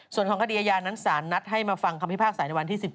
ส่วนของคดีอาญานั้นศาลนัดให้มาฟังคำพิพากษาในวันที่๑๗